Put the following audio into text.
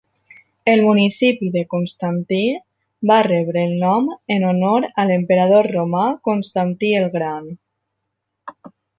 El municipi de Constantí va rebre el nom en honor a l'emperador romà Constantí el Gran.